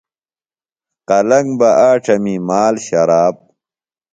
قلنگ بہ آنڇمی مال، شراب